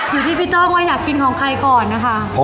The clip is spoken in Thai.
อยู่ที่พี่โต้งว่าอยากกินของใครก่อนนะคะ